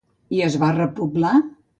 I es va repoblar?